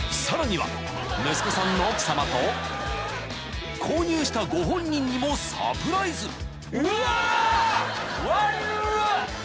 ［さらには息子さんの奥さまと購入したご本人にもサプライズ］